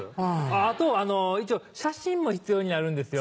あと一応写真も必要になるんですよ。